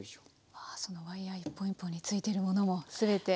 わあそのワイヤー一本一本についてるものも全て。